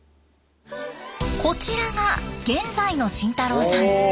こちらが現在の真太郎さん。